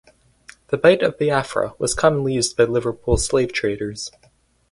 The Bight of Biafra was commonly used by Liverpool slave traders.